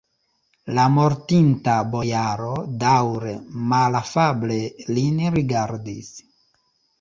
La mortinta bojaro daŭre malafable lin rigardis.